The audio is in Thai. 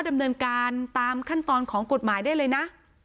อาจารย์ตามขั้นตอนของกฎหมายได้เลยนะ